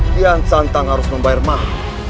dian santang harus membayar mah